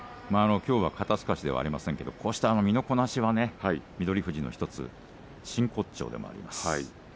きょうは肩すかしではありませんけれどもこうした身のこなしは翠富士の真骨頂です。